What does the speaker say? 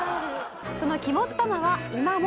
「その肝っ玉は今も健在」